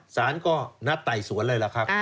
สารก็นัดไต่สวนเลยล่ะครับ